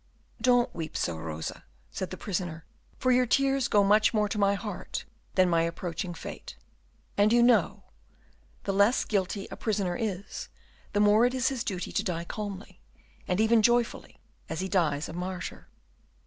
"Don't weep so, Rosa," said the prisoner, "for your tears go much more to my heart than my approaching fate, and you know, the less guilty a prisoner is, the more it is his duty to die calmly, and even joyfully, as he dies a martyr.